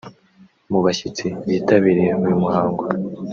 Mu bashyitsi bitabiriye uyu muhango